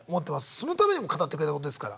そのためにも語ってくれたことですから。